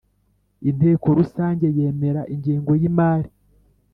Inteko Rusange yemeza ingengo yimari